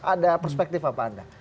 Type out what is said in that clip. ada perspektif apa anda